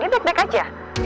dia baik baik aja